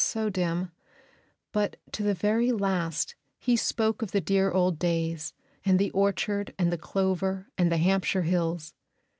so dim; but to the very last he spoke of the dear old days and the orchard and the clover and the Hampshire hills.